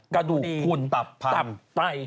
กระดูกคุณตับไต